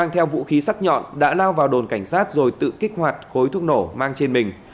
mang theo vũ khí sắc nhọn đã lao vào đồn cảnh sát rồi tự kích hoạt khối thuốc nổ mang trên mình